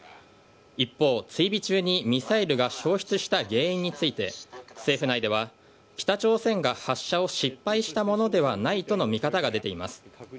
一方、追尾中にミサイルが消失した原因について政府内では、北朝鮮が発射を失敗したものではないとの見方が出ています。